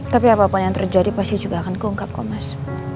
tapi apapun yang terjadi pasti juga akan keungkap kok mas